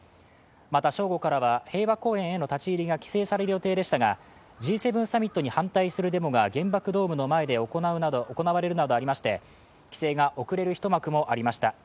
また正午からは平和公園への立ち入りが規制される予定でしたがＧ７サミットに反対するデモが原爆ドームの前で行うなど規制が遅れる一幕もありました。